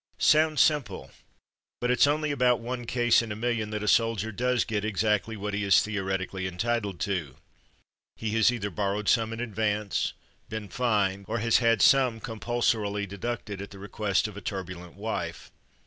Sounds simple; but it's only in about one case in a million that a soldier does get exactly what he is theoretically en titled to. He has either borrowed some in advance, been fined, or has had some com pulsorily deducted at the request of a tur bulent wife.